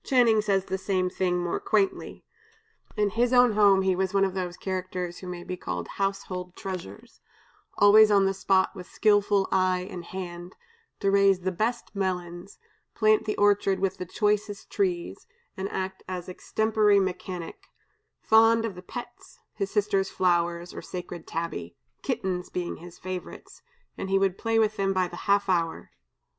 Channing says the same thing more quaintly: "In his own home he was one of those characters who may be called household treasures; always on the spot with skillful eye and hand, to raise the best melons, plant the orchard with the choicest trees, and act as extempore mechanic; fond of the pets, his sister's flowers or sacred tabby kittens being his favorites, he would play with them by the half hour."